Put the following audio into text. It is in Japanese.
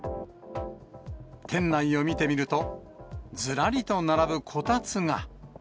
店内を見てみると、ずらりと並ぶこたつが。